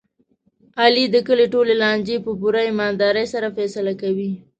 علي د کلي ټولې لانجې په پوره ایماندارۍ سره فیصله کوي.